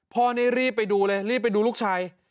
พ่อนี่รีบไปดูเลยรีบไปดูลูกชาย